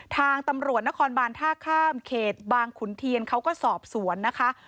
ทางตำรวจนครบานท่าข้ามเขตบางขุนเทียนเขาก็สอบสวนนะคะ